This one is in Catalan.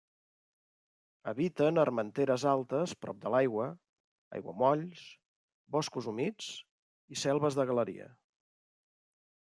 Habiten armenteres altes prop de l'aigua, aiguamolls, boscos humits i selves de galeria.